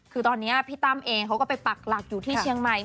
คือตอนนี้พี่ตั้มเองเขาก็ไปปักหลักอยู่ที่เชียงใหม่